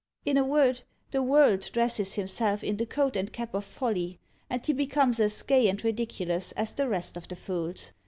In a word, the World dresses himself in the coat and cap of Folly, and he becomes as gay and ridiculous as the rest of the fools.